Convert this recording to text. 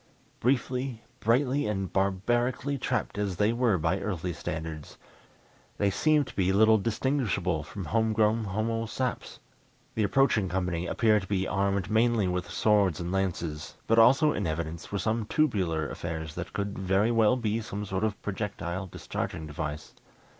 Briefly, brightly and barbarically trapped as they were by earthly standards, they seemed to be little distinguishable from homegrown homo saps. The approaching company appeared to be armed mainly with swords and lances, but also in evidence were some tubular affairs that could very well be some sort of projectile discharging device.